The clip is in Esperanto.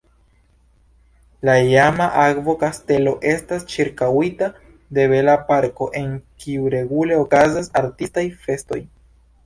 La iama akvo-kastelo estas ĉirkaŭita de bela parko, en kiu regule okazas artistaj festoj.